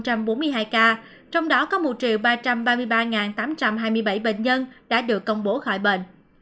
các địa phương nghiên nhận số ca nhiễm mới trong nước là một bảy trăm linh chín bốn mươi hai ca trong đó có một ba trăm ba mươi ba tám trăm hai mươi bảy bệnh nhân đã được công bố khỏi bệnh